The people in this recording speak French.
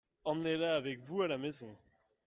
Emmenez-la avec vous à la maison.